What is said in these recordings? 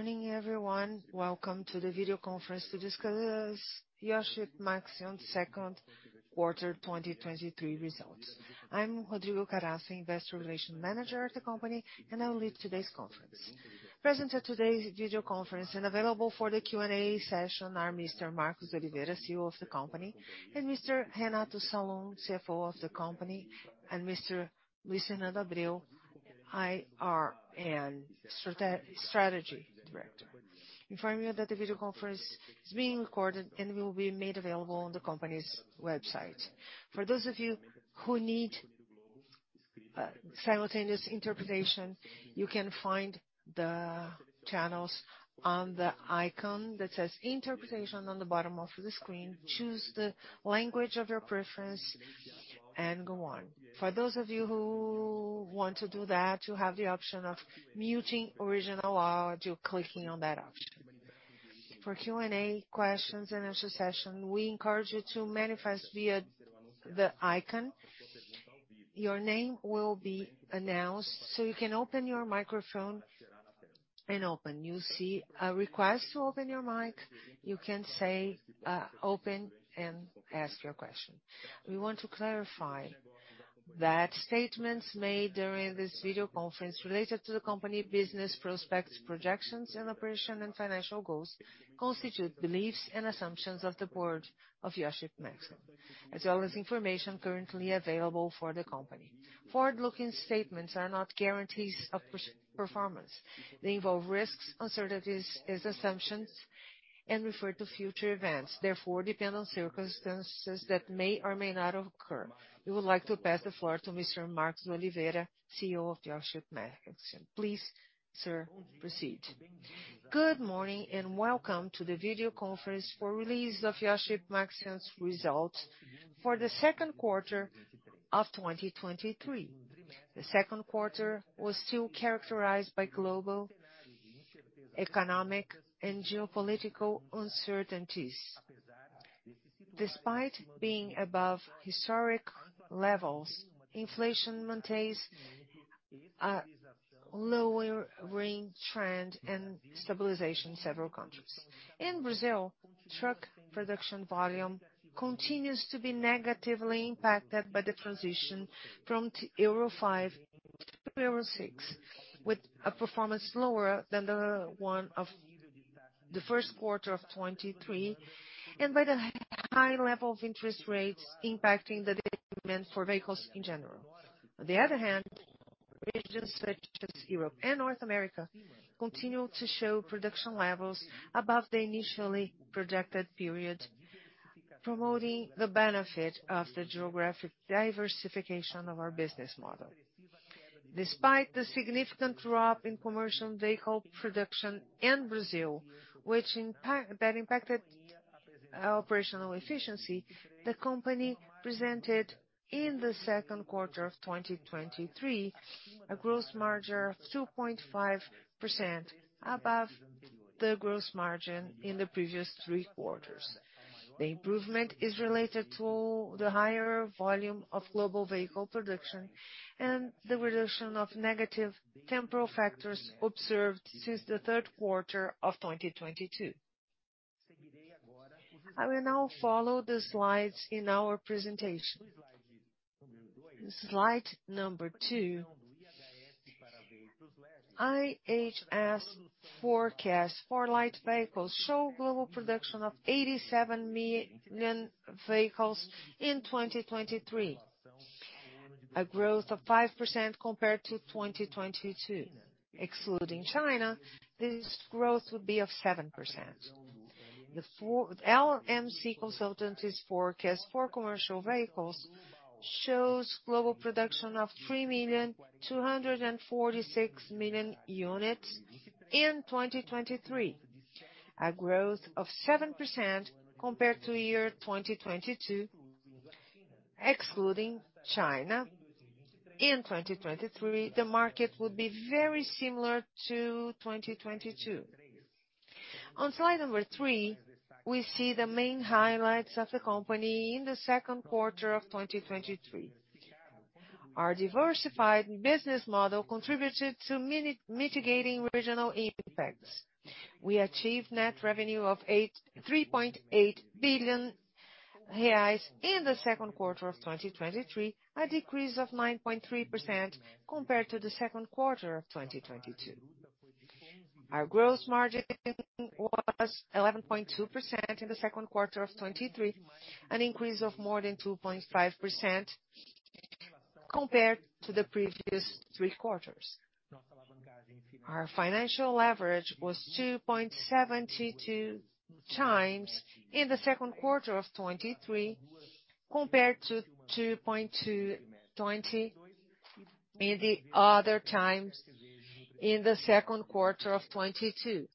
Good morning, everyone. Welcome to the video conference to discuss Iochpe-Maxion's second quarter 2023 results. I'm Rodrigo Caraça, Investor Relations Manager at the c ompany, and I'll lead today's conference. Present at today's video conference and available for the Q&A session are Mr. Marcos Oliveira, CEO of the company, and Mr. Renato Salum, CFO of the company, and Mr. Luciano D'Abríl, IR and Strategy Director. Inform you that the video conference is being recorded and will be made available on the company's website. For those of you who need, simultaneous interpretation, you can find the channels on the icon that says "Interpretation" on the bottom of the screen. Choose the language of your preference and go on. For those of you who want to do that, you have the option of muting original audio clicking on that option. For Q&A, questions, and answer session, we encourage you to manifest via the icon. Your name will be announced, so you can open your microphone and open. You'll see a request to open your mic. You can say, "Open" and ask your question. We want to clarify that statements made during this video conference related to the company business prospects, projections, and operation, and financial goals constitute beliefs and assumptions of the board of Iochpe-Maxion, as well as information currently available for the company. Forward-looking statements are not guarantees of performance. They involve risks, uncertainties, as assumptions, and refer to future events. Therefore, depend on circumstances that may or may not occur. We would like to pass the floor to Mr. Marcos Oliveira, CEO of Iochpe-Maxion. Please, sir, proceed. Good morning and welcome to the video conference for release of Iochpe-Maxion's results for the second quarter of 2023. The second quarter was still characterized by global, economic, and geopolitical uncertainties. Despite being above historic levels, inflation maintains a lowering trend and stabilization in several countries. In Brazil, truck production volume continues to be negatively impacted by the transition from the Euro 5 to Euro 6, with a performance lower than the one of the first quarter of 2023 and by the high level of interest rates impacting the demand for vehicles in general. On the other hand, regions such as Europe and North America continue to show production levels above the initially projected period, promoting the benefit of the geographic diversification of our business model. Despite the significant drop in commercial vehicle production in Brazil, which impacted operational efficiency, the company presented in the second quarter of 2023 a gross margin of 2.5% above the gross margin in the previous three quarters. The improvement is related to the higher volume of global vehicle production and the reduction of negative temporal factors observed since the third quarter of 2022. I will now follow the slides in our presentation. Slide number 2: IHS forecasts for light vehicles show global production of 87 million vehicles in 2023, a growth of 5% compared to 2022. Excluding China, this growth would be of 7%. LMC Automotive's forecast for commercial vehicles shows global production of 3,246 million units in 2023, a growth of 7% compared to year 2022. Excluding China, in 2023, the market would be very similar to 2022. On slide number 3, we see the main highlights of the company in the second quarter of 2023. Our diversified business model contributed to mitigating regional impacts. We achieved net revenue of 3.8 billion reais in the second quarter of 2023, a decrease of 9.3% compared to the second quarter of 2022. Our gross margin was 11.2% in the second quarter of 2023, an increase of more than 2.5% compared to the previous three quarters. Our financial leverage was 2.72 times in the second quarter of 2023 compared to 2.20 in the other times in the second quarter of 2022.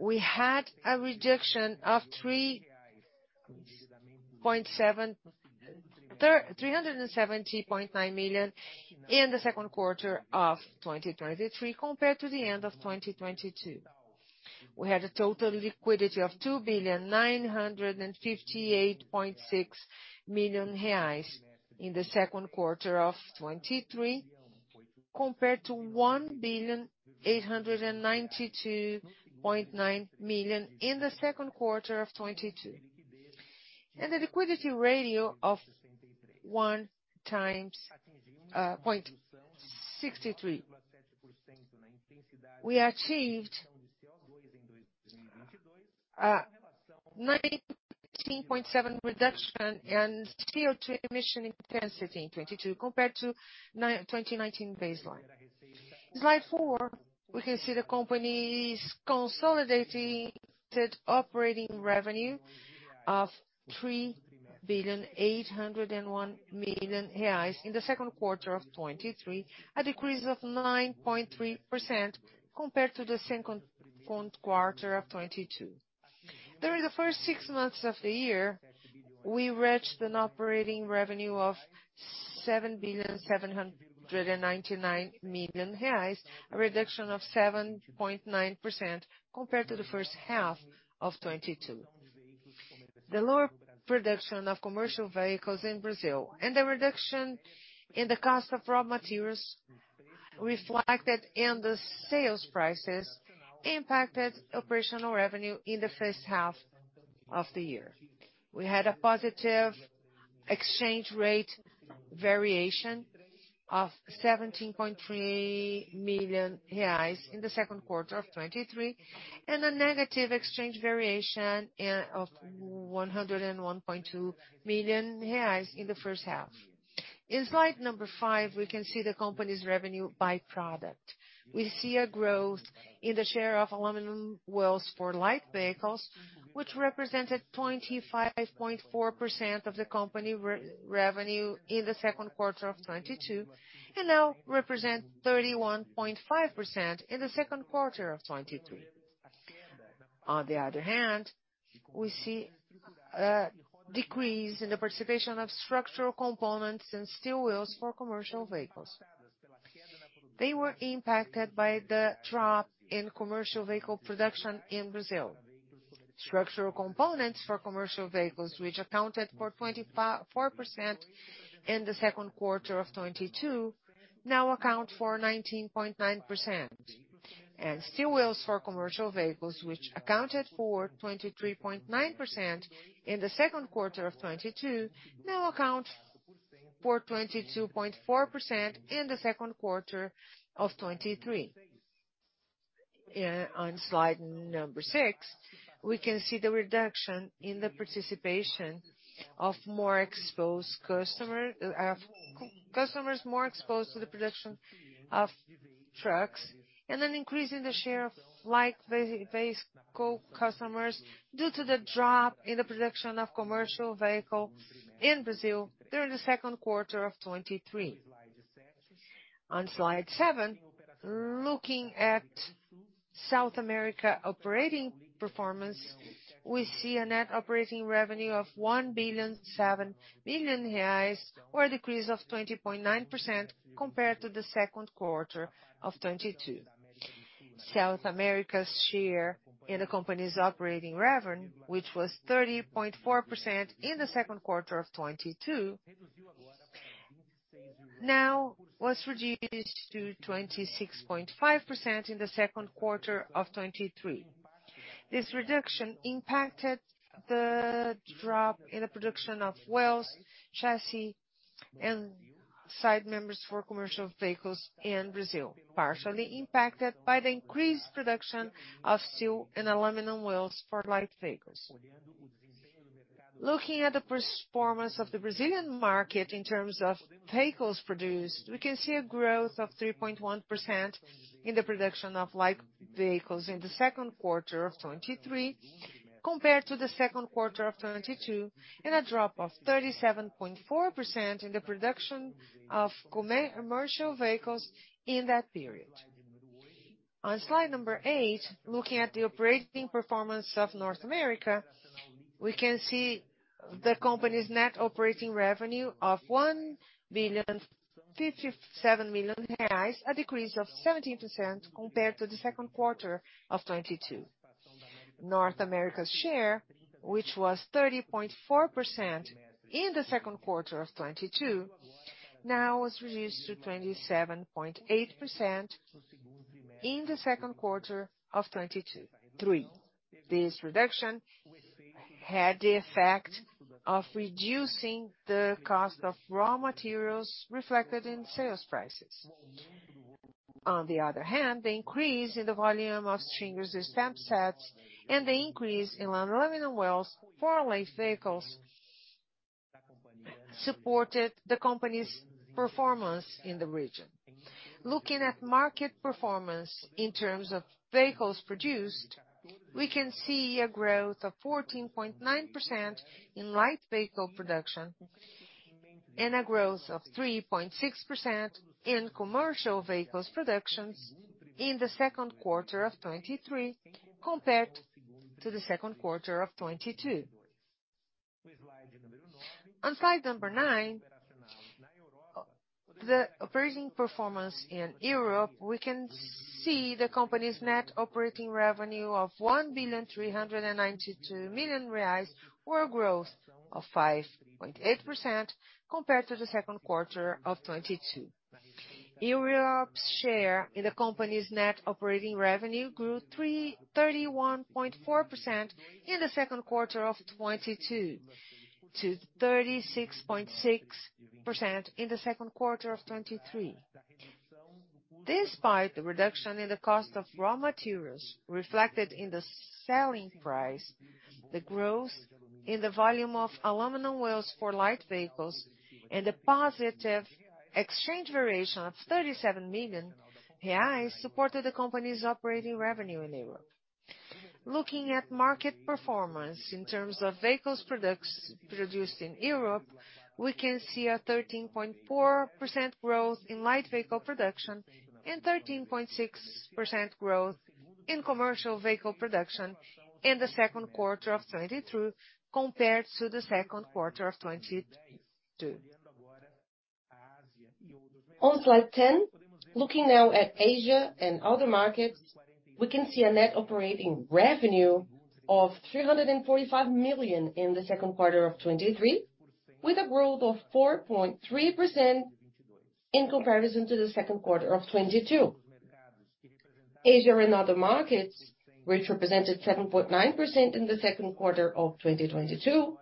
We had a reduction of 370.9 million in the second quarter of 2023 compared to the end of 2022. We had a total liquidity of 2,958.6 million reais in the second quarter of 2023 compared to 1,892.9 million in the second quarter of 2022, and a liquidity ratio of 1 times, 0.63. We achieved 19.7% reduction in CO2 emission intensity in 2022 compared to 2019 baseline. Slide 4: we can see the company's consolidated operating revenue of 3,801 million reais in the second quarter of 2023, a decrease of 9.3% compared to the second quarter of 2022. During the first six months of the year, we reached an operating revenue of 7,799 million reais, a reduction of 7.9% compared to the first half of 2022. The lower production of commercial vehicles in Brazil and the reduction in the cost of raw materials reflected in the sales prices impacted operational revenue in the first half of the year. We had a positive exchange rate variation of 17.3 million reais in the second quarter of 2023 and a negative exchange variation of 101.2 million reais in the first half. In Slide 5, we can see the company's revenue by product. We see a growth in the share of aluminum wheels for light vehicles, which represented 25.4% of the company re-revenue in the second quarter of 2022 and now represent 31.5% in the second quarter of 2023. On the other hand, we see, decrease in the participation of structural components in steel wheels for commercial vehicles. They were impacted by the drop in commercial vehicle production in Brazil. Structural components for commercial vehicles, which accounted for 25.4% in the second quarter of 2022, now account for 19.9%. Steel wheels for commercial vehicles, which accounted for 23.9% in the second quarter of 2022, now account for 22.4% in the second quarter of 2023. On slide number 6, we can see the reduction in the participation of more exposed customers more exposed to the production of trucks and an increase in the share of light vehicle customers due to the drop in the production of commercial vehicle in Brazil during the second quarter of 2023. On slide 7, looking at South America operating performance, we see a net operating revenue of 1.07 billion or a decrease of 20.9% compared to the second quarter of 2022. South America's share in the company's operating revenue, which was 30.4% in the second quarter of 2022, now was reduced to 26.5% in the second quarter of 2023. This reduction impacted the drop in the production of wheels, chassis, and side members for commercial vehicles in Brazil, partially impacted by the increased production of steel and aluminum wheels for light vehicles. Looking at the performance of the Brazilian market in terms of vehicles produced, we can see a growth of 3.1% in the production of light vehicles in the second quarter of 2023 compared to the second quarter of 2022 and a drop of 37.4% in the production of commercial vehicles in that period. On slide number eight, looking at the operating performance of North America, we can see the company's net operating revenue of 1.057 billion, a decrease of 17% compared to the second quarter of 2022. North America's share, which was 30.4% in the second quarter of 2022, now was reduced to 27.8% in the second quarter of 2023. This reduction had the effect of reducing the cost of raw materials reflected in sales prices. On the other hand, the increase in the volume of stringers and stamped parts, and the increase in aluminum wheels for light vehicles, supported the company's performance in the region. Looking at market performance in terms of vehicles produced, we can see a growth of 14.9% in light vehicle production and a growth of 3.6% in commercial vehicles productions in the second quarter of 2023 compared to the second quarter of 2022. On slide number 9, the operating performance in Europe, we can see the company's net operating revenue of 1.392 billion or a growth of 5.8% compared to the second quarter of 2022. Europe's share in the company's net operating revenue grew 31.4% in the second quarter of 2022 to 36.6% in the second quarter of 2023. Despite the reduction in the cost of raw materials reflected in the selling price, the growth in the volume of aluminum wheels for light vehicles and the positive exchange variation of 37 million reais supported the company's operating revenue in Europe. Looking at market performance in terms of vehicles produced in Europe, we can see a 13.4% growth in light vehicle production and 13.6% growth in commercial vehicle production in the second quarter of 2023 compared to the second quarter of 2022. On slide 10, looking now at Asia and other markets, we can see a net operating revenue of 345 million in the second quarter of 2023 with a growth of 4.3% in comparison to the second quarter of 2022. Asia and other markets, which represented 7.9% in the second quarter of 2022,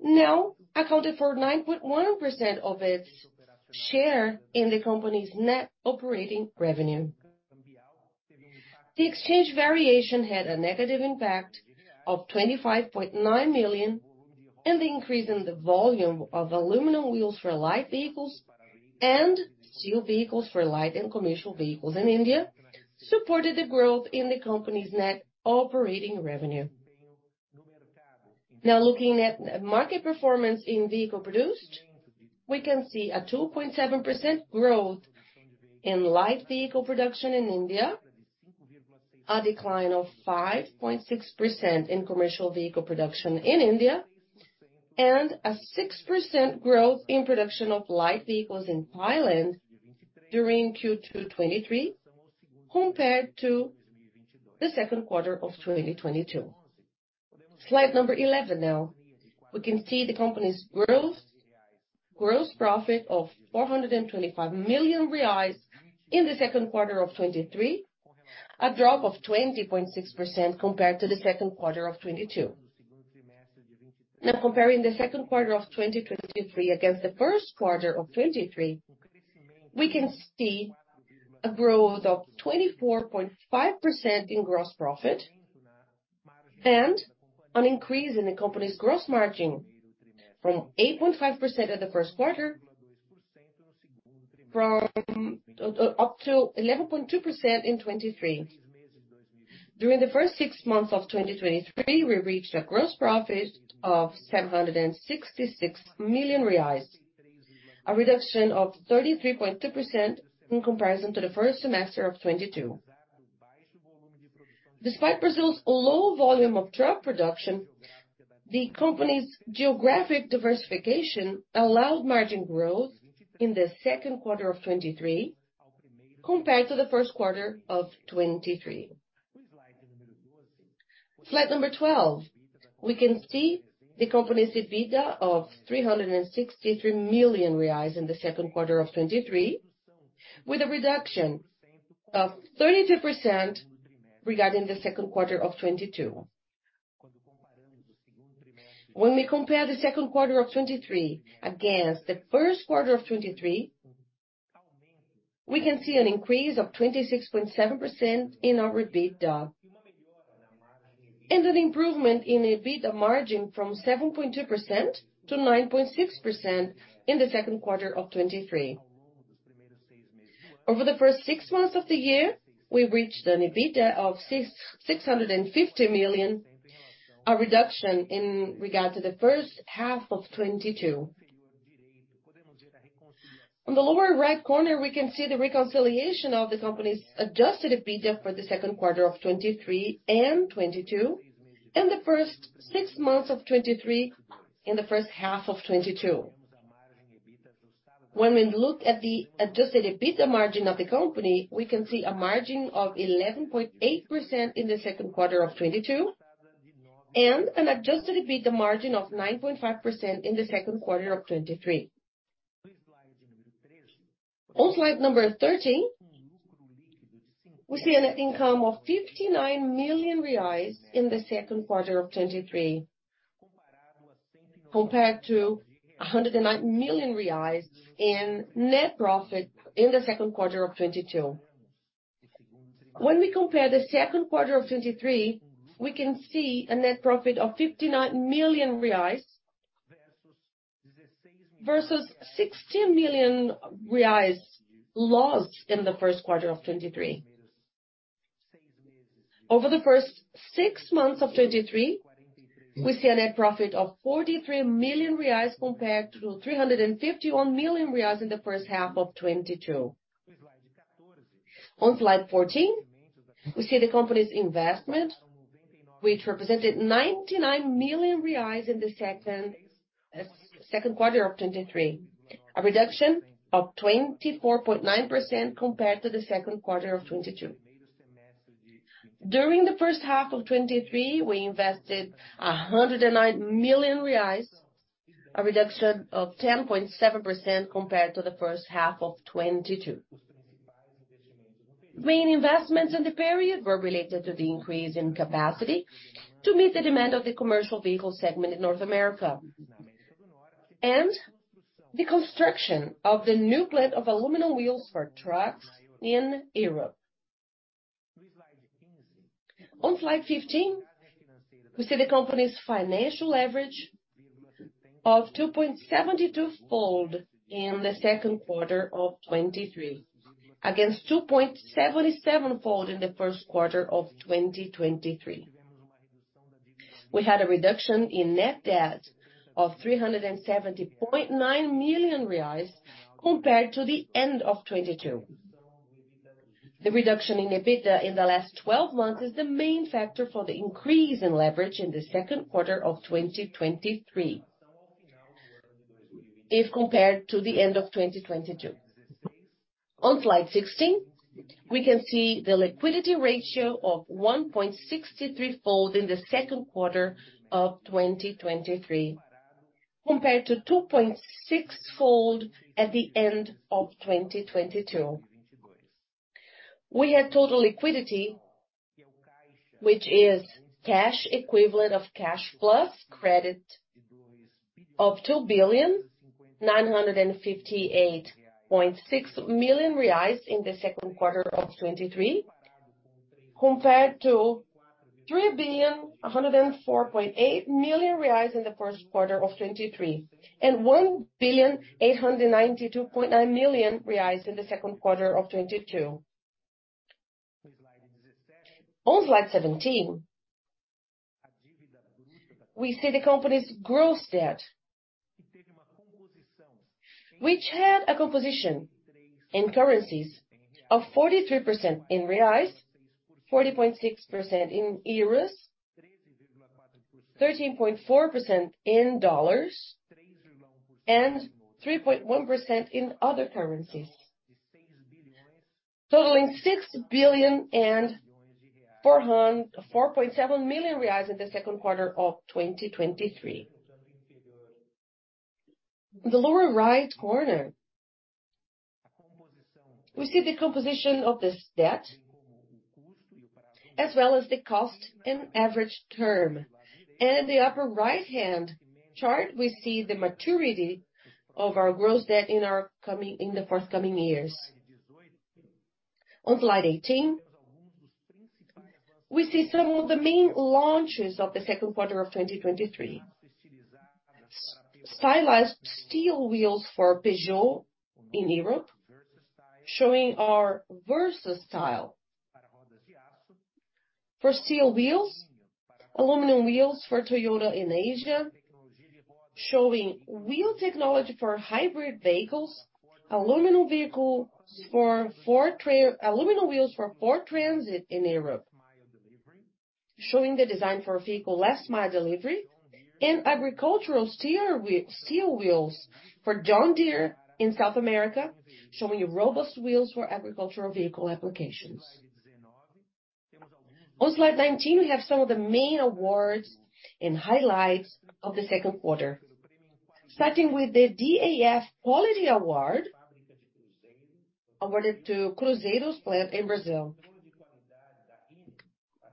now accounted for 9.1% of its share in the company's net operating revenue. The exchange variation had a negative impact of 25.9 million, the increase in the volume of aluminum wheels for light vehicles and steel wheels for light and commercial vehicles in India supported the growth in the company's net operating revenue. Looking at market performance in vehicle produced, we can see a 2.7% growth in light vehicle production in India, a decline of 5.6% in commercial vehicle production in India, a 6% growth in production of light vehicles in Thailand during Q2 2023 compared to the second quarter of 2022. Slide number 11 now: we can see the company's growth gross profit of 425 million reais in the second quarter of 2023, a drop of 20.6% compared to the second quarter of 2022. Now, comparing the 2Q23 against the 1Q23, we can see a growth of 24.5% in gross profit and an increase in the company's gross margin from 8.5% in the 1Q from up to 11.2% in 2023. During the first 6 months of 2023, we reached a gross profit of 766 million reais, a reduction of 33.2% in comparison to the first semester of 2022. Despite Brazil's low volume of truck production, the company's geographic diversification allowed margin growth in the 2Q23 compared to the 1Q23. Slide number 12: we can see the company's EBITDA of 363 million reais in the 2Q23 with a reduction of 32% regarding the 2Q22. When we compare the second quarter of 2023 against the first quarter of 2023, we can see an increase of 26.7% in our EBITDA and an improvement in EBITDA margin from 7.2% to 9.6% in the second quarter of 2023. Over the first 6 months of the year, we reached an EBITDA of 650 million, a reduction in regard to the first half of 2022. On the lower right corner, we can see the reconciliation of the company's adjusted EBITDA for the second quarter of 2023 and 2022 and the first 6 months of 2023 and the first half of 2022. When we look at the adjusted EBITDA margin of the company, we can see a margin of 11.8% in the second quarter of 2022 and an adjusted EBITDA margin of 9.5% in the second quarter of 2023. On slide number 13, we see an income of 59 million reais in the second quarter of 2023 compared to 109 million reais in net profit in the second quarter of 2022. When we compare the second quarter of 2023, we can see a net profit of 59 million reais versus 16 million reais lost in the first quarter of 2023. Over the first six months of 2023, we see a net profit of 43 million reais compared to 351 million reais in the first half of 2022. On slide 14, we see the company's investment, which represented 99 million reais in the second quarter of 2023, a reduction of 24.9% compared to the second quarter of 2022. During the first half of 2023, we invested 109 million reais, a reduction of 10.7% compared to the first half of 2022. Main investments in the period were related to the increase in capacity to meet the demand of the commercial vehicle segment in North America and the construction of the new plant of aluminum wheels for trucks in Europe. On slide 15, we see the company's financial leverage of 2.72-fold in the second quarter of 2023 against 2.77-fold in the first quarter of 2023. We had a reduction in net debt of 370.9 million reais compared to the end of 2022. The reduction in EBITDA in the last twelve months is the main factor for the increase in leverage in the second quarter of 2023 if compared to the end of 2022. On slide 16, we can see the liquidity ratio of 1.63-fold in the second quarter of 2023 compared to 2.6-fold at the end of 2022. We had total liquidity, which is cash equivalent of cash plus credit of 2,958.6 million reais in the second quarter of 2023 compared to BRL 3,104.8 million in the first quarter of 2023 and 1,892.9 million reais in the second quarter of 2022. On slide 17, we see the company's gross debt, which had a composition in currencies of 43% in BRL, 40.6% in EUR, 13.4% in USD, and 3.1% in other currencies, totaling 6.47 million reais in the second quarter of 2023. In the lower right corner, we see the composition of this debt as well as the cost in average term, and in the upper right-hand chart, we see the maturity of our gross debt in the forthcoming years. On slide 18, we see some of the main launches of the second quarter of 2023: stylized steel wheels for Peugeot in Europe showing our VersaStyle for steel wheels, aluminum wheels for Toyota in Asia showing wheel technology for hybrid vehicles, aluminum wheels for Ford Transit in Europe showing the design for vehicle last-mile delivery, and agricultural steel wheels for John Deere in South America showing robust wheels for agricultural vehicle applications. On slide 19, we have some of the main awards and highlights of the second quarter, starting with the DAF Quality Award awarded to Cruzeiro's plant in Brazil,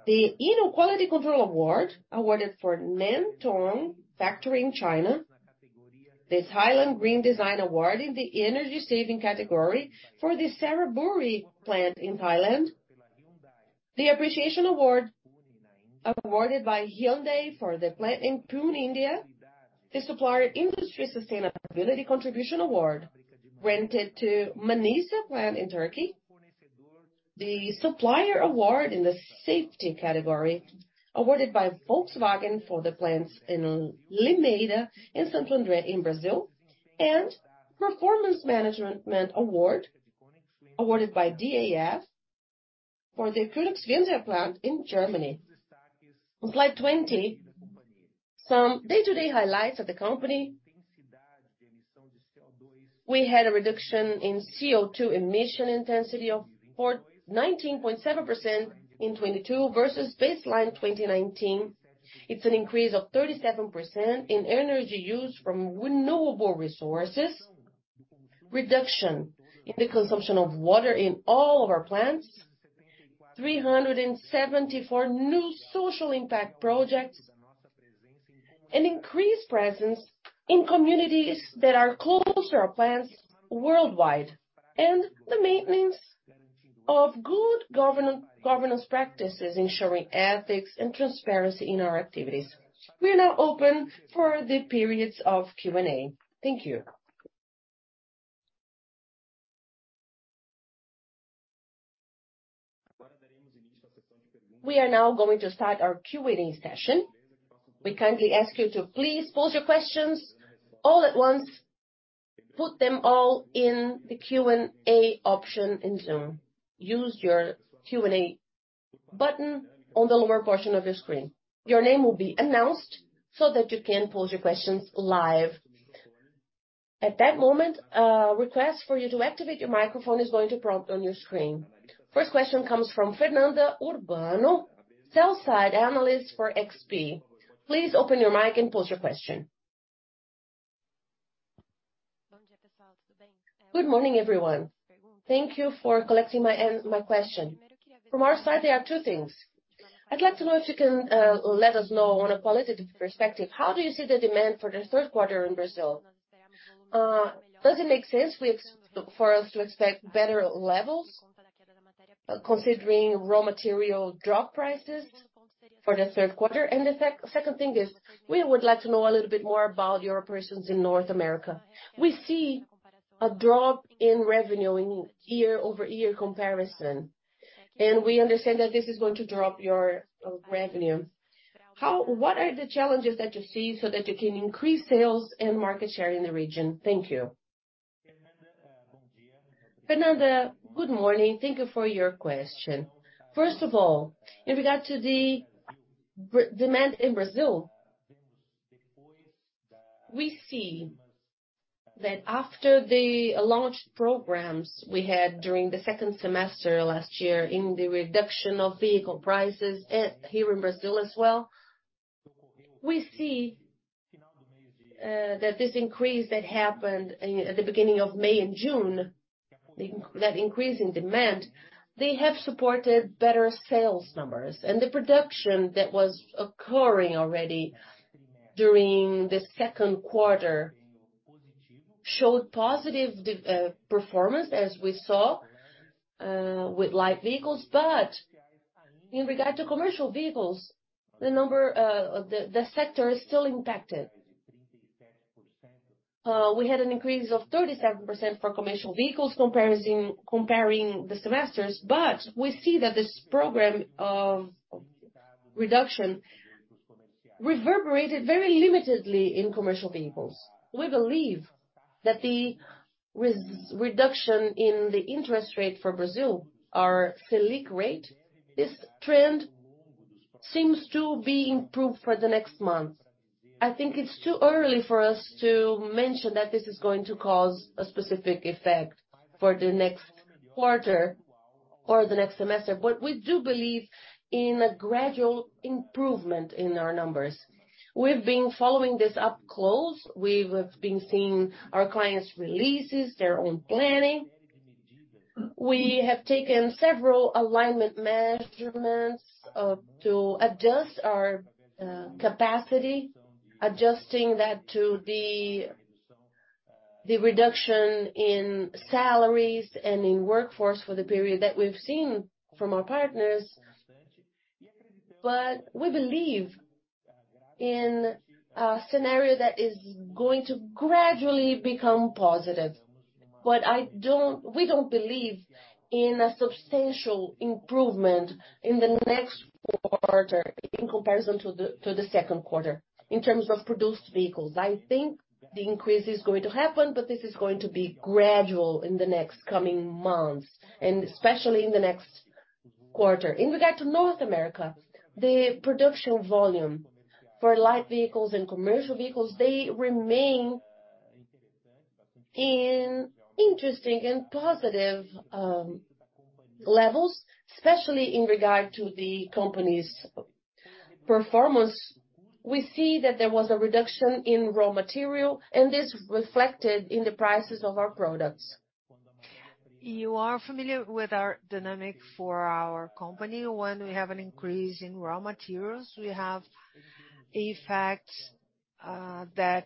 the Inno Quality Control Award awarded for Nantong Factory in China, the Thailand Green Design Award in the energy-saving category for the Saraburi plant in Thailand, the Appreciation Award awarded by Hyundai for the plant in Pune, India, the Supplier Industry Sustainability Contribution Award granted to Manisa plant in Turkey, the Supplier Award in the Safety category awarded by Volkswagen for the plants in Limeira in Santo André in Brazil, and the Performance Management Award awarded by DAF for the Königswinter plant in Germany. On slide 20, some day-to-day highlights of the company: we had a reduction in CO2 emission intensity of 19.7% in 2022 versus baseline 2019. It's an increase of 37% in energy use from renewable resources, reduction in the consumption of water in all of our plants, 374 new social impact projects, an increased presence in communities that are closer to our plants worldwide, and the maintenance of good governance practices ensuring ethics and transparency in our activities. We are now open for the periods of Q&A. Thank you. We are now going to start our Q&A session. We kindly ask you to please pose your questions all at once. Put them all in the Q&A option in Zoom. Use your Q&A button on the lower portion of your screen. Your name will be announced so that you can pose your questions live. At that moment, a request for you to activate your microphone is going to prompt on your screen. First question comes from Fernando Urbano, sell-side analyst for XP. Please open your mic and pose your question. Good morning, everyone. Thank you for collecting my question. From our side, there are two things. I'd like to know if you can let us know from a qualitative perspective: how do you see the demand for the third quarter in Brazil? Does it make sense for us to expect better levels considering raw material drop prices for the third quarter? The second thing is we would like to know a little bit more about your operations in North America. We see a drop in revenue in year-over-year comparison, and we understand that this is going to drop your revenue. What are the challenges that you see so that you can increase sales and market share in the region? Thank you. Fernando, good morning. Thank you for your question. First of all, in regard to the demand in Brazil, we see that after the launch programs we had during the second semester last year in the reduction of vehicle prices here in Brazil as well, we see that this increase that happened at the beginning of May and June, that increase in demand, they have supported better sales numbers, and the production that was occurring already during the second quarter showed positive performance as we saw with light vehicles. In regard to commercial vehicles, the sector is still impacted. We had an increase of 37% for commercial vehicles comparing the semesters. We see that this program of reduction reverberated very limitedly in commercial vehicles. We believe that the reduction in the interest rate for Brazil, our Selic rate, this trend seems to be improved for the next month. I think it's too early for us to mention that this is going to cause a specific effect for the next quarter or the next semester, but we do believe in a gradual improvement in our numbers. We've been following this up close. We've been seeing our clients' releases, their own planning. We have taken several alignment measurements to adjust our capacity, adjusting that to the reduction in salaries and in workforce for the period that we've seen from our partners. We believe in a scenario that is going to gradually become positive, but we don't believe in a substantial improvement in the next quarter in comparison to the second quarter in terms of produced vehicles. I think the increase is going to happen, but this is going to be gradual in the next coming months and especially in the next quarter. In regard to North America, the production volume for light vehicles and commercial vehicles, they remain in interesting and positive levels, especially in regard to the company's performance. We see that there was a reduction in raw material. This reflected in the prices of our products. You are familiar with our dynamic for our company. When we have an increase in raw materials, we have effects that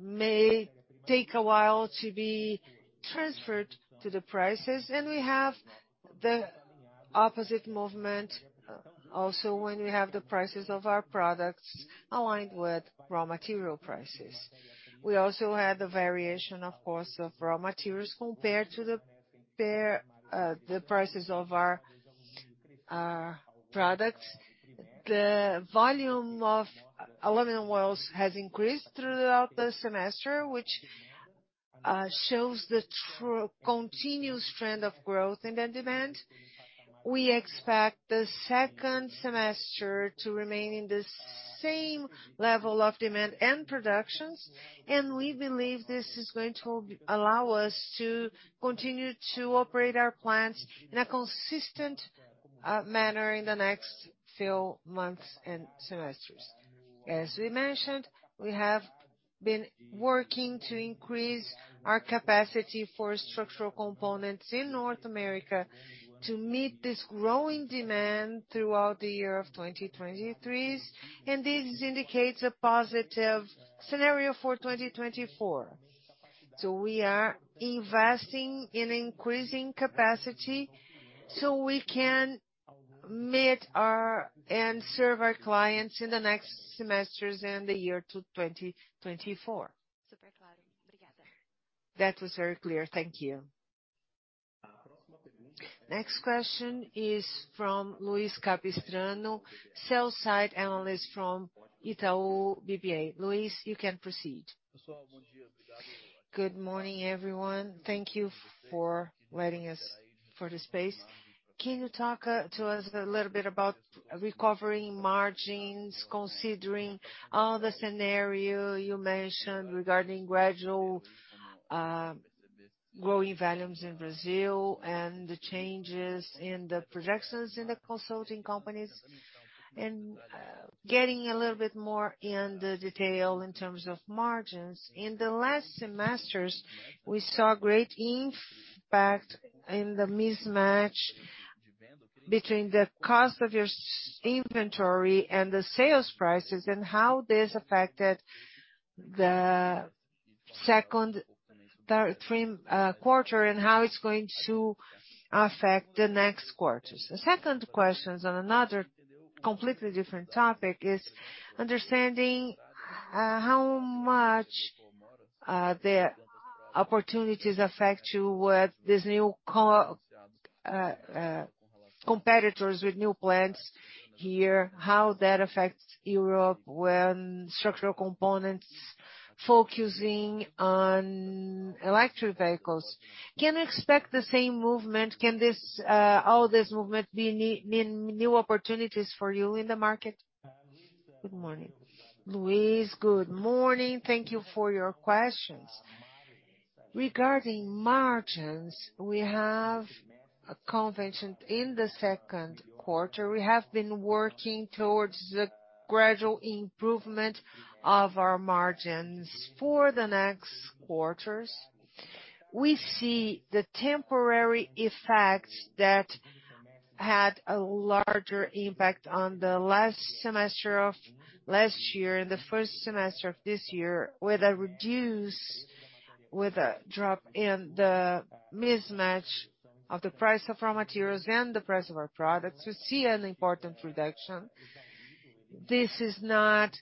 may take a while to be transferred to the prices. We have the opposite movement also when we have the prices of our products aligned with raw material prices. We also had the variation, of course, of raw materials compared to the prices of our products. The volume of aluminum wheels has increased throughout the semester, which shows the continuous trend of growth in the demand. We expect the second semester to remain in the same level of demand and productions, we believe this is going to allow us to continue to operate our plants in a consistent manner in the next few months and semesters. As we mentioned, we have been working to increase our capacity for structural components in North America to meet this growing demand throughout the year of 2023, this indicates a positive scenario for 2024. We are investing in increasing capacity so we can meet and serve our clients in the next semesters and the year to 2024. That was very clear. Thank you. Next question is from Luiz Capistrano, sell-side analyst from Itaú BBA. Luiz, you can proceed. Good morning, everyone. Thank you for letting us for the space. Can you talk to us a little bit about recovering margins, considering all the scenarios you mentioned regarding gradual growing volumes in Brazil and the changes in the projections in the consulting companies, and getting a little bit more in the detail in terms of margins? In the last semesters, we saw great impact in the mismatch between the cost of your inventory and the sales prices and how this affected the second quarter and how it's going to affect the next quarters. The second question is on another completely different topic: understanding how much the opportunities affect you with these new competitors with new plants here, how that affects Europe when structural components focusing on electric vehicles. Can you expect the same movement? Can all this movement be new opportunities for you in the market? Good morning. Luiz, good morning. Thank you for your questions. Regarding margins, we have a convention in the second quarter. We have been working towards the gradual improvement of our margins for the next quarters. We see the temporary effects that had a larger impact on the last semester of last year and the first semester of this year with a drop in the mismatch of the price of raw materials and the price of our products. We see an important reduction. This has not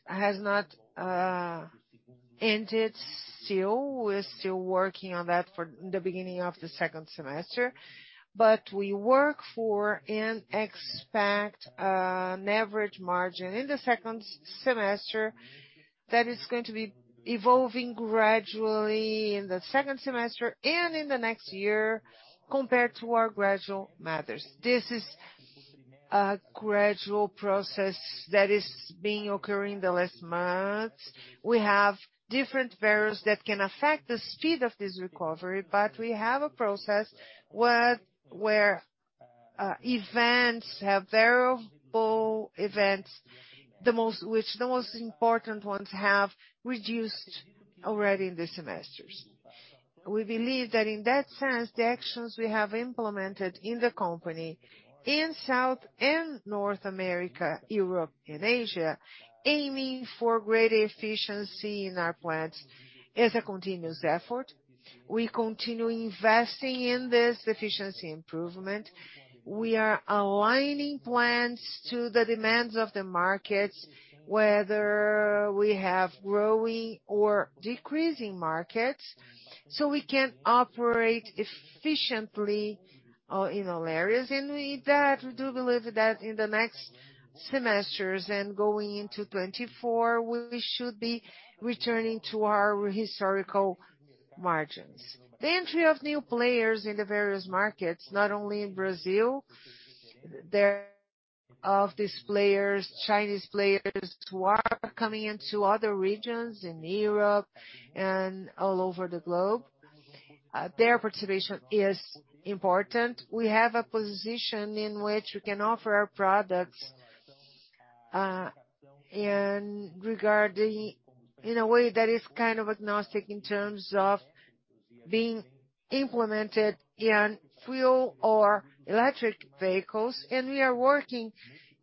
ended still. We're still working on that in the beginning of the second semester, but we work for and expect an average margin in the second semester that is going to be evolving gradually in the second semester and in the next year compared to our gradual matters. This is a gradual process that is occurring the last months. We have different variables that can affect the speed of this recovery, but we have a process where variable events, which the most important ones have reduced already in these semesters. We believe that in that sense, the actions we have implemented in the company in South and North America, Europe, and Asia, aiming for greater efficiency in our plants is a continuous effort. We continue investing in this efficiency improvement. We are aligning plants to the demands of the markets, whether we have growing or decreasing markets, so we can operate efficiently in all areas. With that, we do believe that in the next semesters and going into 2024, we should be returning to our historical margins. The entry of new players in the various markets, not only in Brazil, of these players, Chinese players who are coming into other regions in Europe and all over the globe, their participation is important. We have a position in which we can offer our products in a way that is kind of agnostic in terms of being implemented in fuel or electric vehicles, and we are working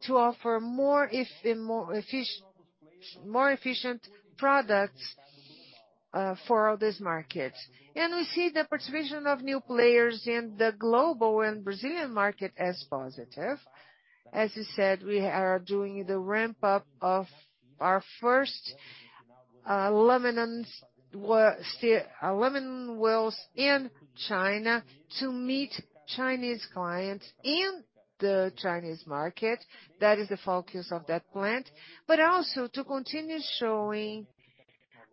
to offer more efficient products for all these markets. We see the participation of new players in the global and Brazilian market as positive. As you said, we are doing the ramp-up of our first aluminum wheels in China to meet Chinese clients in the Chinese market. That is the focus of that plant, but also to continue showing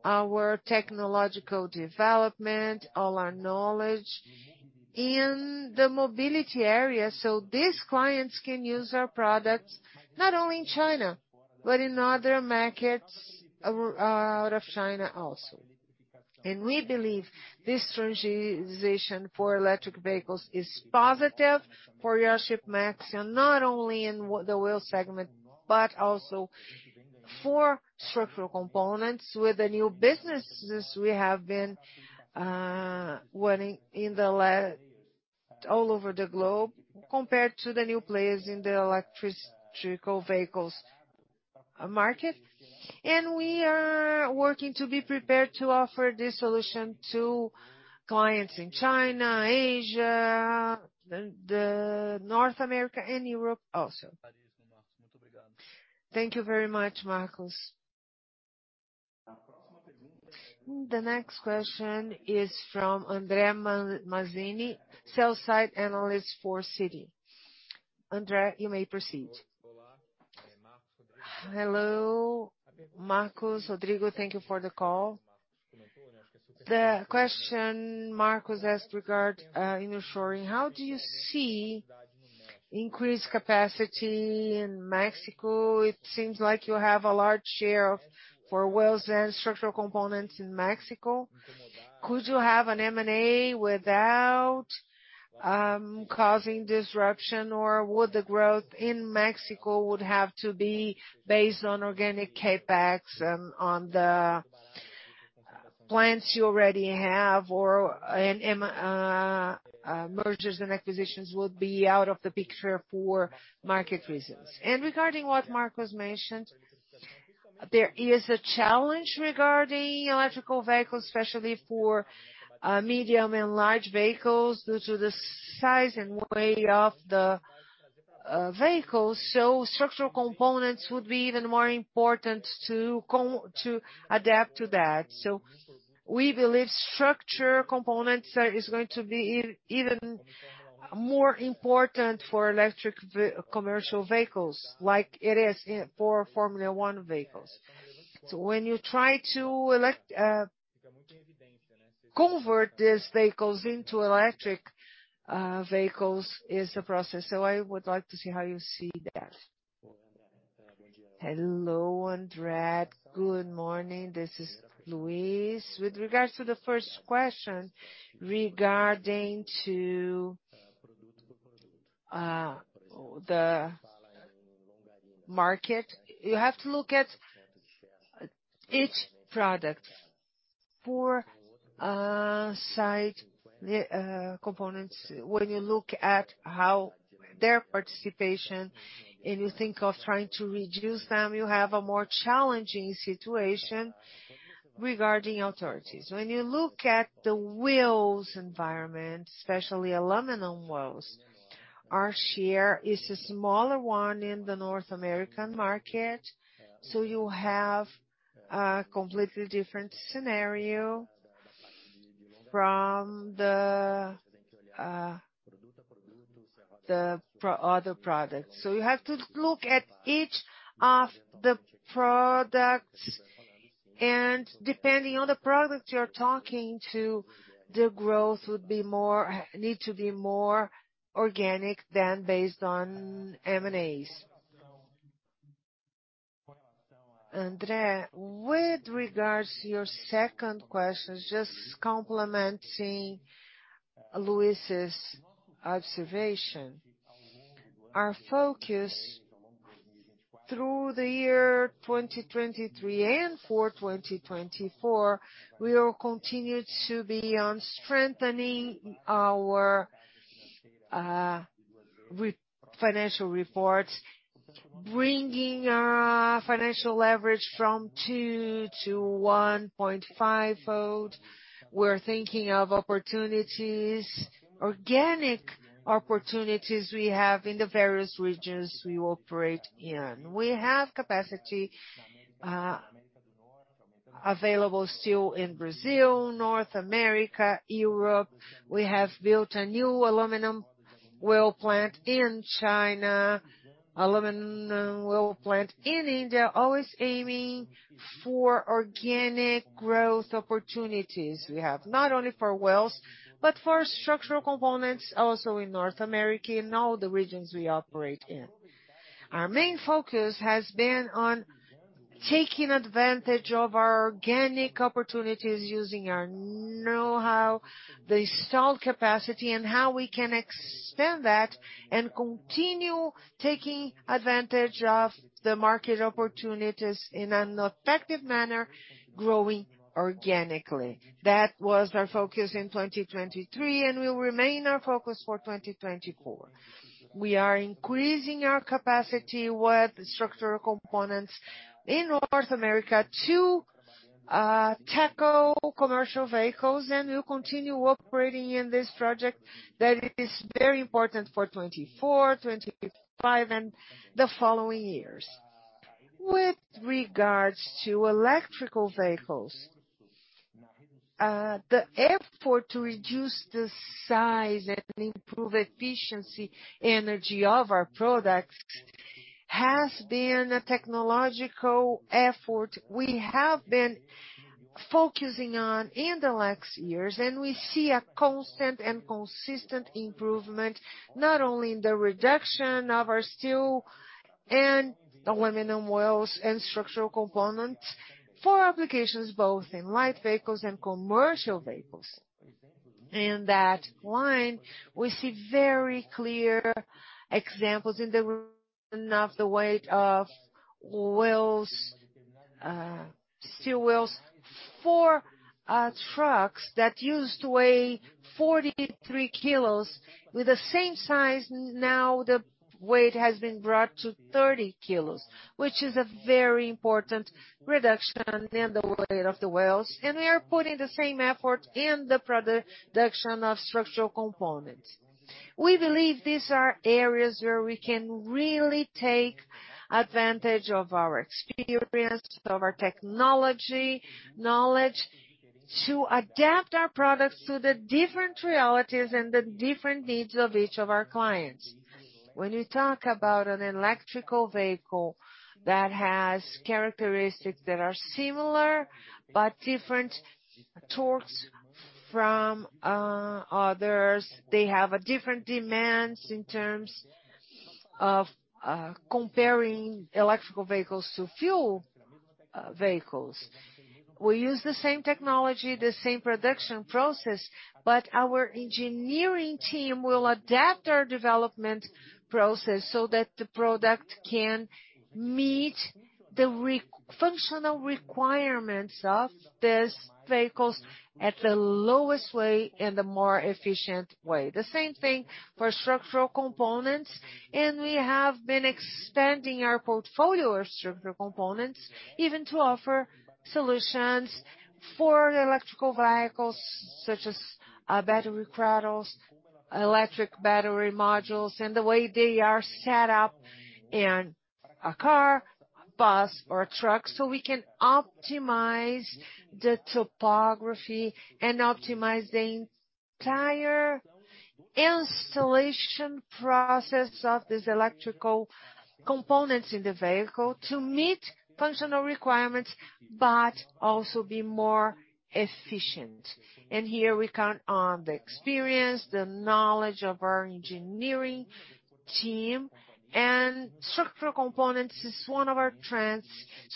our technological development, all our knowledge in the mobility area so these clients can use our products not only in China but in other markets out of China also. We believe this strategization for electric vehicles is positive for Iochpe-Maxion, not only in the wheel segment but also for structural components with the new businesses we have been running all over the globe compared to the new players in the electric vehicles market. We are working to be prepared to offer this solution to clients in China, Asia, North America, and Europe also. Thank you very much, Marcos. The next question is from André Mazini, sell-side analyst for Citi. André, you may proceed. Hello. Marcos Rodrigo, thank you for the call. The question Marcos asked regarding insuring: how do you see increased capacity in Mexico? It seems like you have a large share for wheels and structural components in Mexico. Could you have an M&A without causing disruption, or would the growth in Mexico have to be based on organic CapEx on the plants you already have, or mergers and acquisitions would be out of the picture for market reasons? Regarding what Marcos mentioned, there is a challenge regarding electrical vehicles, especially for medium and large vehicles due to the size and weight of the vehicles, so structural components would be even more important to adapt to that. We believe structural components are going to be even more important for electric commercial vehicles like it is for Formula One vehicles. When you try to convert these vehicles into electric vehicles, it's a process. I would like to see how you see that. Hello, André. Good morning. This is Luis. With regard to the first question regarding the market, you have to look at each product for side components. When you look at their participation and you think of trying to reduce them, you have a more challenging situation regarding authorities. When you look at the wheels environment, especially aluminum wheels, our share is a smaller one in the North American market, so you have a completely different scenario from the other products. You have to look at each of the products, and depending on the product you're talking to, the growth would need to be more organic than based on M&As. André, with regard to your second question, just complementing Luis's observation, our focus through the year 2023 and for 2024, we will continue to be on strengthening our financial reports, bringing financial leverage from 2 to 1.5-fold. We're thinking of organic opportunities we have in the various regions we operate in. We have capacity available still in Brazil, North America, Europe. We have built a new aluminum wheel plant in China, aluminum wheel plant in India, always aiming for organic growth opportunities we have, not only for wheels but for structural components also in North America and all the regions we operate in. Our main focus has been on taking advantage of our organic opportunities using our know-how, the installed capacity, and how we can expand that and continue taking advantage of the market opportunities in an effective manner, growing organically. That was our focus in 2023. We will remain our focus for 2024. We are increasing our capacity with structural components in North America to tackle commercial vehicles. We'll continue operating in this project that is very important for 2024, 2025, and the following years. With regard to electrical vehicles, the effort to reduce the size and improve efficiency energy of our products has been a technological effort we have been focusing on in the last years. We see a constant and consistent improvement not only in the reduction of our steel and aluminum wheels and structural components for applications both in light vehicles and commercial vehicles. In that line, we see very clear examples in the region of the weight of steel wheels for trucks that used to weigh 43 kilos with the same size. The weight has been brought to 30 kilos, which is a very important reduction in the weight of the wheels. We are putting the same effort in the production of structural components. We believe these are areas where we can really take advantage of our experience, of our technology knowledge, to adapt our products to the different realities and the different needs of each of our clients. When you talk about an electrical vehicle that has characteristics that are similar but different torques from others, they have different demands in terms of comparing electrical vehicles to fuel vehicles. We use the same technology, the same production process. Our engineering team will adapt our development process so that the product can meet the functional requirements of these vehicles at the lowest way and the more efficient way. The same thing for structural components, we have been expanding our portfolio of structural components even to offer solutions for electric vehicles such as battery trays, electric battery modules, and the way they are set up in a car, bus, or truck so we can optimize the topography and optimize the entire installation process of these electric components in the vehicle to meet functional requirements but also be more efficient. Here we count on the experience, the knowledge of our engineering team, and structural components is one of our trends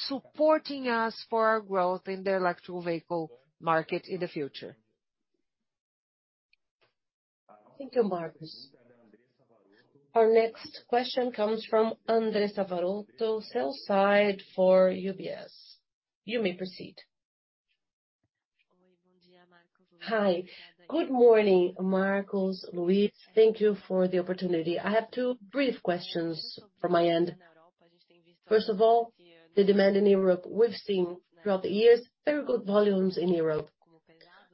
supporting us for our growth in the electric vehicle market in the future. Thank you, Marcos. Our next question comes from André Savorani, sell-side for UBS. You may proceed. Hi. Good morning, Marcos, Luis. Thank you for the opportunity. I have two brief questions from my end. First of all, the demand in Europe, we've seen throughout the years very good volumes in Europe,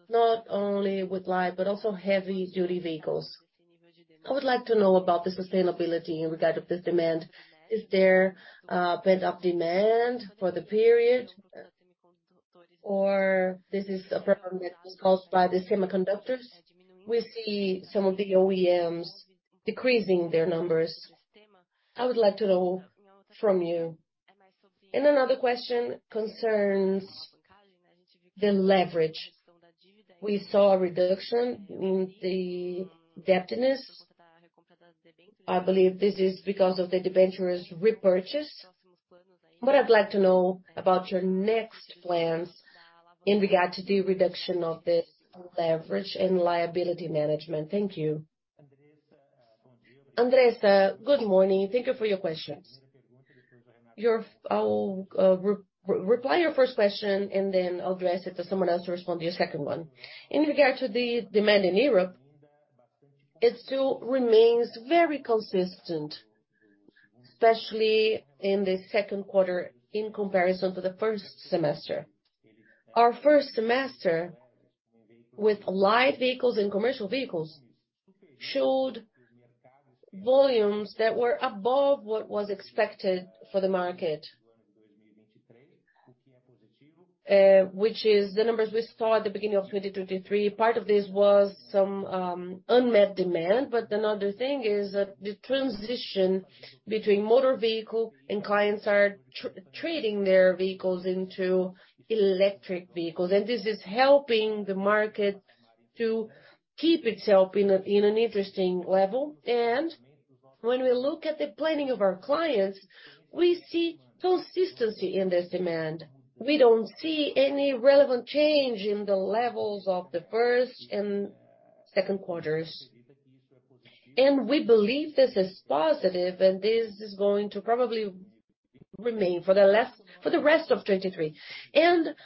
not only with light but also heavy-duty vehicles. I would like to know about the sustainability in regard to this demand. Is there pent-up demand for the period, or this is a problem that was caused by the semiconductors? We see some of the OEMs decreasing their numbers. I would like to know from you. Another question concerns the leverage. We saw a reduction in the depthness. I believe this is because of the debentures repurchased, but I'd like to know about your next plans in regard to the reduction of the leverage and liability management. Thank you. Andrés, good morning. Thank you for your question. I'll reply to your first question, and then I'll address it to someone else to respond to your second one. In regard to the demand in Europe, it still remains very consistent, especially in the second quarter in comparison to the first semester. Our first semester with light vehicles and commercial vehicles showed volumes that were above what was expected for the market, which is the numbers we saw at the beginning of 2023. Part of this was some unmet demand, but another thing is the transition between motor vehicle. Clients are trading their vehicles into electric vehicles, and this is helping the market to keep itself in an interesting level. When we look at the planning of our clients, we see consistency in this demand. We don't see any relevant change in the levels of the first and second quarters, and we believe this is positive, and this is going to probably remain for the rest of 2023.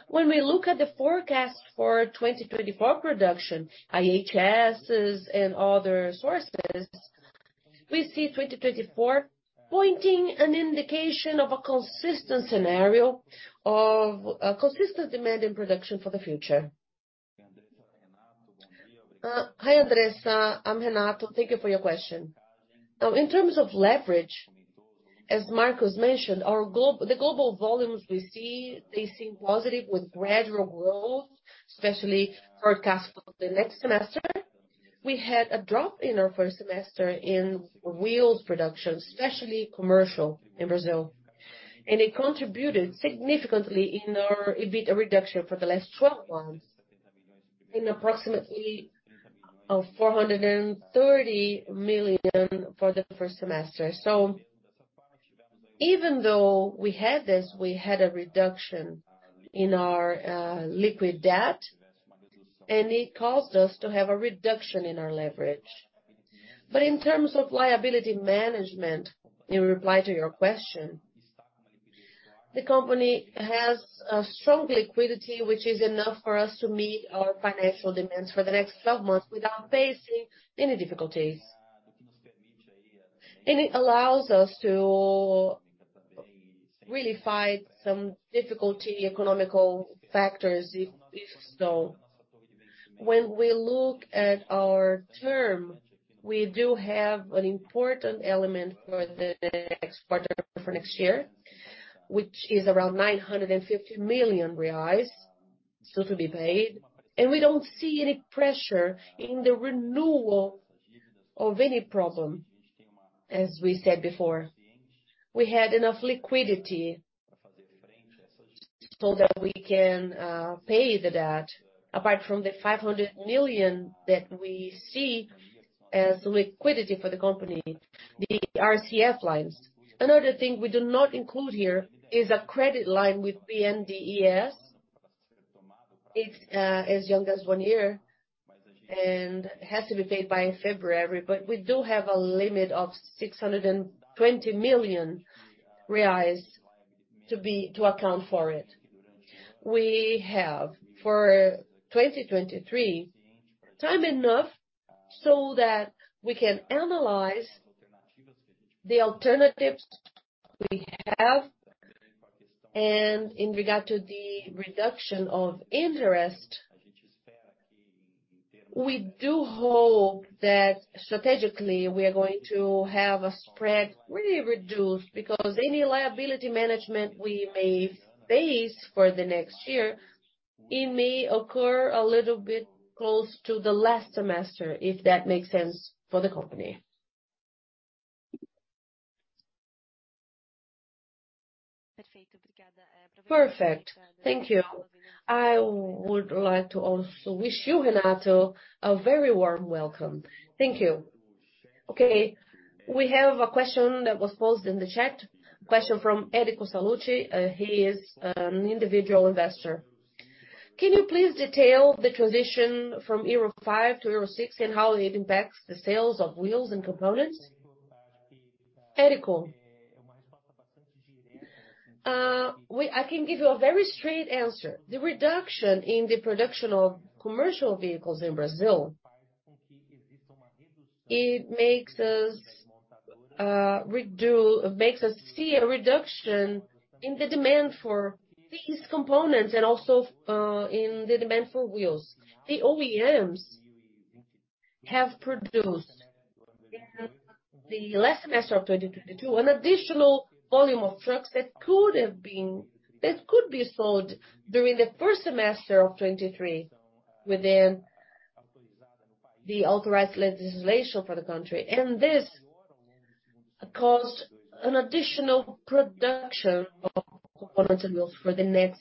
When we look at the forecast for 2024 production, IHSs and other sources, we see 2024 pointing an indication of a consistent scenario of consistent demand in production for the future. Hi, André. I'm Renato. Thank you for your question. Now, in terms of leverage, as Marcos mentioned, the global volumes we see, they seem positive with gradual growth, especially forecast for the next semester. We had a drop in our first semester in wheels production, especially commercial in Brazil, and it contributed significantly in our EBITDA reduction for the last 12 months in approximately 430 million for the first semester. Even though we had this, we had a reduction in our liquid debt, and it caused us to have a reduction in our leverage. In terms of liability management, in reply to your question, the company has a strong liquidity, which is enough for us to meet our financial demands for the next 12 months without facing any difficulties. It allows us to really fight some difficulty economical factors, if so. When we look at our term, we do have an important element for the next quarter for next year, which is around 950 million reais still to be paid, and we don't see any pressure in the renewal of any problem, as we said before. We had enough liquidity so that we can pay the debt. Apart from the 500 million that we see as liquidity for the company, the RCF lines, another thing we do not include here is a credit line with BNDES. It's as young as one year and has to be paid by February, but we do have a limit of 620 million reais to account for it. We have, for 2023, time enough so that we can analyze the alternatives we have, and in regard to the reduction of interest, we do hope that strategically, we are going to have a spread really reduced because any liability management we may face for the next year it may occur a little bit close to the last semester, if that makes sense, for the company. Perfect. Thank you. I would like to also wish you, Renato, a very warm welcome. Thank you. Okay. We have a question that was posed in the chat, a question from Enrico Salucci. He is an individual investor. Can you please detail the transition from Euro 5 to Euro 6 and how it impacts the sales of wheels and components? Enrico, I can give you a very straight answer. The reduction in the production of commercial vehicles in Brazil, it makes us see a reduction in the demand for these components and also in the demand for wheels. The OEMs have produced, in the last semester of 2022, an additional volume of trucks that could be sold during the first semester of 2023 within the authorized legislation for the country, and this caused an additional production of components and wheels for the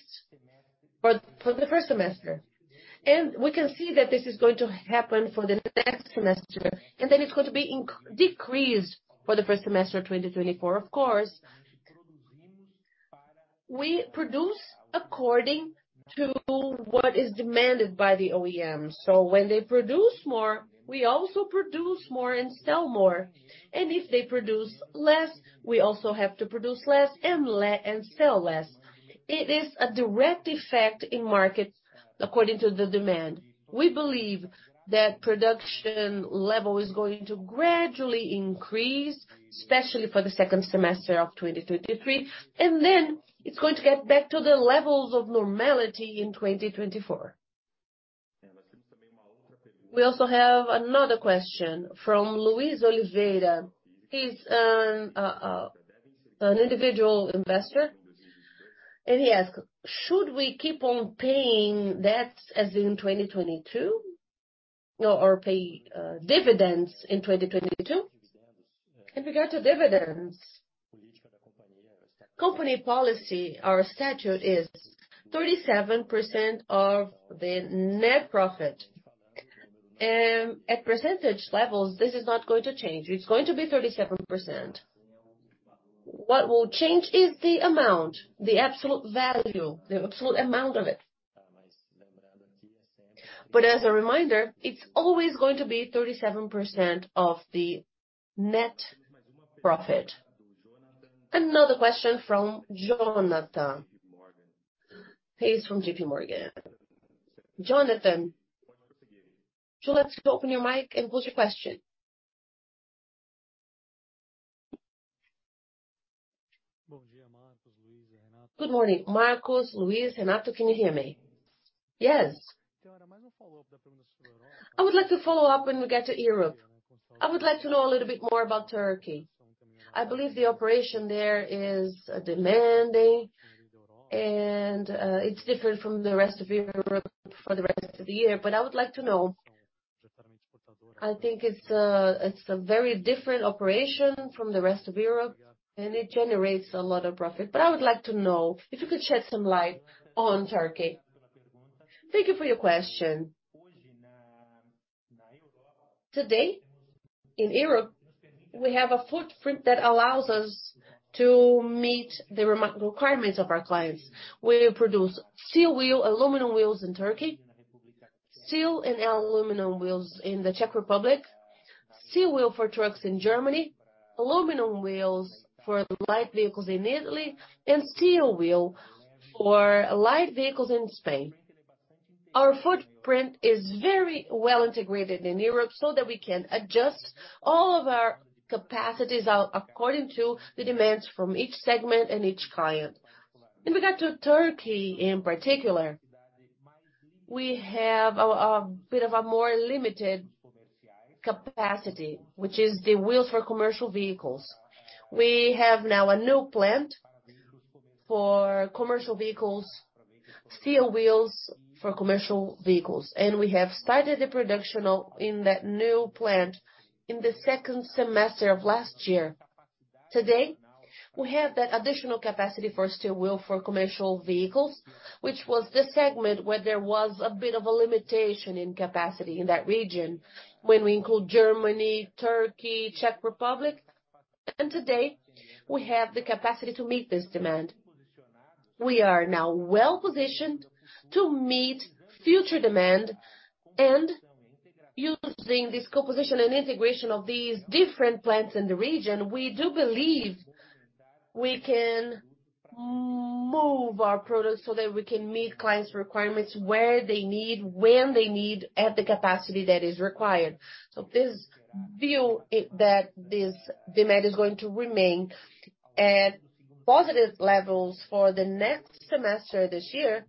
first semester. We can see that this is going to happen for the next semester, and then it's going to be decreased for the first semester of 2024, of course. We produce according to what is demanded by the OEMs. When they produce more, we also produce more and sell more. If they produce less, we also have to produce less and sell less. It is a direct effect in markets according to the demand. We believe that production level is going to gradually increase, especially for the second semester of 2023, and then it's going to get back to the levels of normality in 2024. We also have another question from Luis Oliveira. He's an individual investor, and he asks, "Should we keep on paying debts as in 2022 or pay dividends in 2022?" In regard to dividends, company policy, our statute is 37% of the net profit. At percentage levels, this is not going to change. It's going to be 37%. What will change is the amount, the absolute value, the absolute amount of it. As a reminder, it's always going to be 37% of the net profit. Another question from Jonathan. He's from JP Morgan. Jonathan, let's open your mic and pose your question. Good morning, Marcos, Luis, Renato. Can you hear me? Yes. I would like to follow up when we get to Europe. I would like to know a little bit more about Turkey. I believe the operation there is demanding, and it's different from the rest of Europe for the rest of the year, but I would like to know. I think it's a very different operation from the rest of Europe, and it generates a lot of profit. I would like to know if you could shed some light on Turkey. Thank you for your question. Today, in Europe, we have a footprint that allows us to meet the requirements of our clients. We produce steel wheel, aluminum wheels in Turkey, steel and aluminum wheels in the Czech Republic, steel wheel for trucks in Germany, aluminum wheels for light vehicles in Italy, and steel wheel for light vehicles in Spain. Our footprint is very well integrated in Europe so that we can adjust all of our capacities out according to the demands from each segment and each client. In regard to Turkey in particular, we have a bit of a more limited capacity, which is the wheels for commercial vehicles. We have now a new plant for commercial vehicles, steel wheels for commercial vehicles, and we have started the production in that new plant in the second semester of last year. Today, we have that additional capacity for steel wheel for commercial vehicles, which was the segment where there was a bit of a limitation in capacity in that region when we include Germany, Turkey, Czech Republic. Today, we have the capacity to meet this demand. We are now well positioned to meet future demand, and using this co-position and integration of these different plants in the region, we do believe we can move our products so that we can meet clients' requirements where they need, when they need, at the capacity that is required. If this view that this demand is going to remain at positive levels for the next semester this year,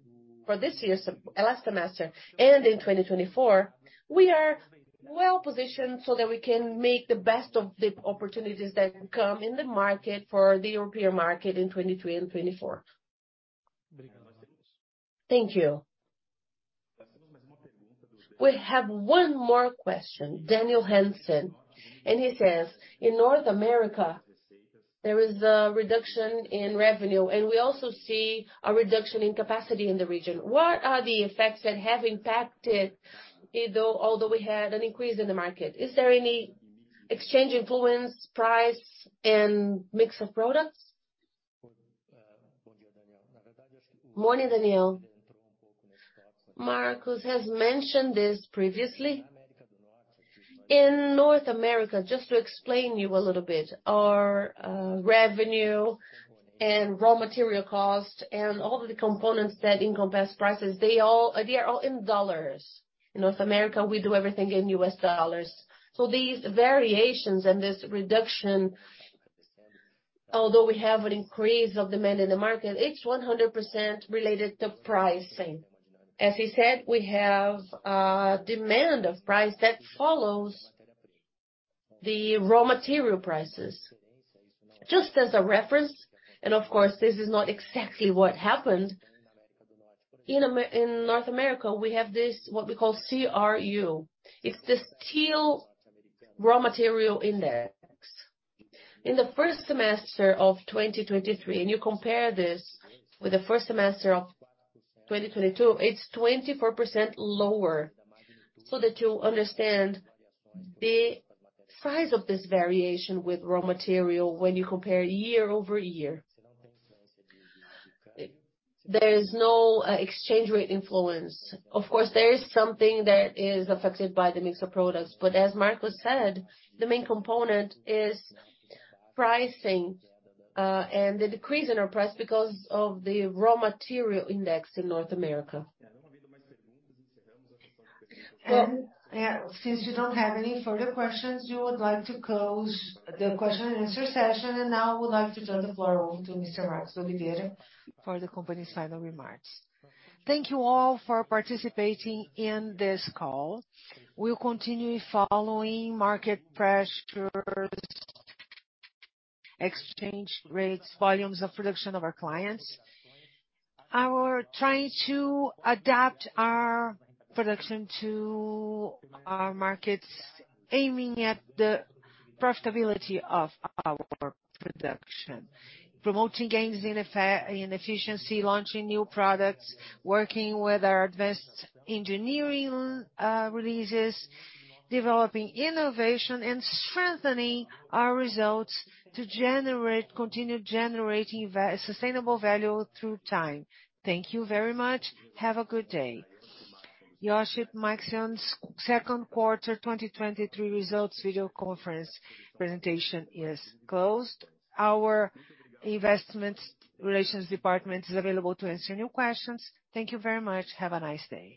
for this year, last semester, and in 2024, we are well positioned so that we can make the best of the opportunities that come in the market for the European market in 2023 and 2024. Thank you. We have one more question, Daniel Hansen, and he says, "In North America, there is a reduction in revenue, and we also see a reduction in capacity in the region. What are the effects that have impacted, although we had an increase in the market? Is there any exchange influence, price, and mix of products?" Morning, Daniel. Marcos has mentioned this previously. In North America, just to explain you a little bit, our revenue and raw material cost and all of the components that encompass prices, they are all in dollars. In North America, we do everything in US dollars. These variations and this reduction, although we have an increase of demand in the market, it's 100% related to pricing. As he said, we have a demand of price that follows the raw material prices. Just as a reference, and of course, this is not exactly what happened, in North America, we have what we call CRU. It's the Steel Raw Material Index. In the first semester of 2023, and you compare this with the first semester of 2022, it's 24% lower so that you understand the size of this variation with raw material when you compare year-over-year. There is no exchange rate influence. Of course, there is something that is affected by the mix of products, but as Marcos said, the main component is pricing and the decrease in our price because of the raw material index in North America. Since you don't have any further questions, you would like to close the question-and-answer session, and now I would like to turn the floor over to Mr. Marcos Oliveira for the company's final remarks. Thank you all for participating in this call. We'll continue following market pressures, exchange rates, volumes of production of our clients. We're trying to adapt our production to our markets, aiming at the profitability of our production, promoting gains in efficiency, launching new products, working with our advanced engineering releases, developing innovation, and strengthening our results to continue generating sustainable value through time. Thank you very much. Have a good day. Iochpe-Maxion's second quarter 2023 results video conference presentation is closed. Our investment relations department is available to answer new questions. Thank you very much. Have a nice day.